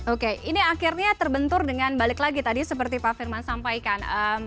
oke ini akhirnya terbentur dengan balik lagi tadi seperti pak firman sampaikan